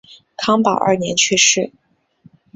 康保二年去世。